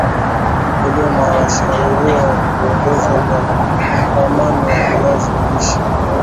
mkulima anashauriwa kuongeza dhamani ya viazi lishe